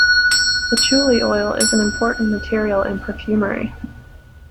Patchouli oil is an important material in perfumery.